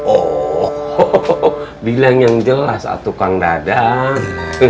oh bilang yang jelas ah tukang dadang